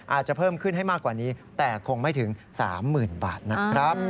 อาจจะเพิ่มขึ้นให้มากกว่านี้แต่คงไม่ถึง๓๐๐๐บาทนะครับ